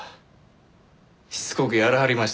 しつこくやらはりましたか？